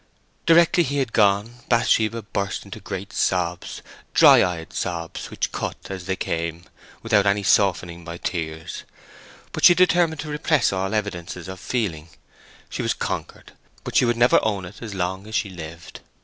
Directly he had gone, Bathsheba burst into great sobs—dry eyed sobs, which cut as they came, without any softening by tears. But she determined to repress all evidences of feeling. She was conquered; but she would never own it as long as she lived.